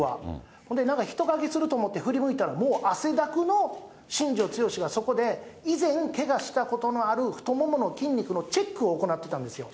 ほんで、中に人影がすると思って、振り向いたら、もう汗だくの新庄剛志がそこで、依然けがしたことのある太ももの筋肉のチェックを行っていたんですよ。